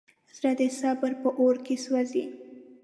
زړه د صبر په اور کې سوځي.